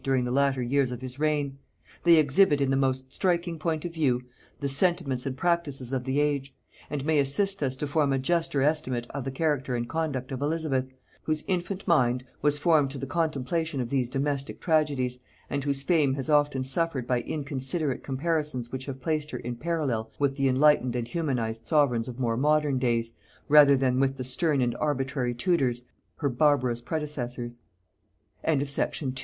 during the latter years of his reign; they exhibit in the most striking point of view the sentiments and practices of the age; and may assist us to form a juster estimate of the character and conduct of Elizabeth, whose infant mind was formed to the contemplation of these domestic tragedies, and whose fame has often suffered by inconsiderate comparisons which have placed her in parallel with the enlightened and humanized sovereigns of more modern days, rather than with the stern and arbitrary Tudors, her barbaro